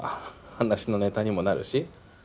話のネタにもなるし？